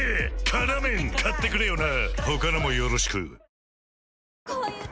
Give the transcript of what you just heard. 「辛麺」買ってくれよな！